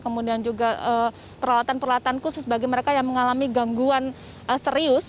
kemudian juga peralatan peralatan khusus bagi mereka yang mengalami gangguan serius